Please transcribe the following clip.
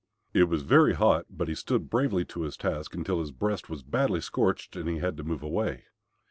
It was very hot, but he stood bravely to his task until his breast was badly scorched and he had to move away.